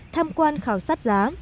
tham quan khảo sát giá